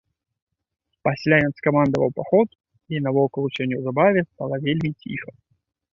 Пасля ён скамандаваў паход, і навокал усё неўзабаве стала вельмі ціха.